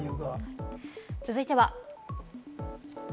続いては。